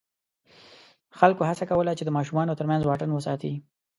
خلکو هڅه کوله چې د ماشومانو تر منځ واټن وساتي.